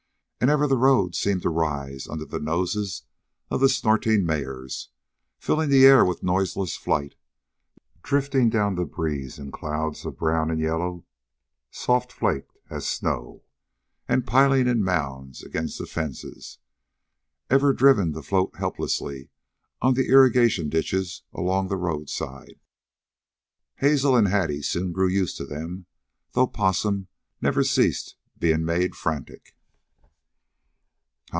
And ever the road seemed to rise under the noses of the snorting mares, filling the air with noiseless flight, drifting down the breeze in clouds of brown and yellow soft flaked as snow, and piling in mounds against the fences, ever driven to float helplessly on the irrigation ditches along the roadside. Hazel and Hattie soon grew used to them though Possum never ceased being made frantic.